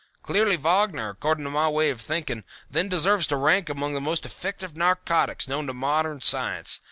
Clearly Wagner, according to my way of thinking, then deserves to rank among the most effective narcotics known to modern science.